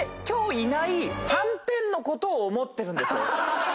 今日いないはんぺんのことを思ってるんです。